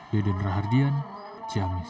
yedon rahardian ciamis